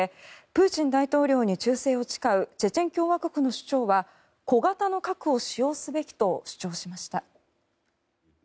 プーチン大統領に忠誠を誓うチェチェン共和国の首長は小型の核を使用すべきと主張しました。